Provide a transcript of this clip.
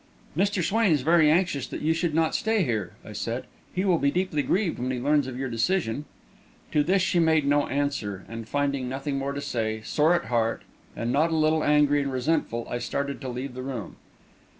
"Mr. Swain is very anxious you should not stay here," I said. "He will be deeply grieved when he learns your decision." To this she made no answer, and, finding nothing more to say, sore at heart, and not a little angry and resentful, I started to leave the room.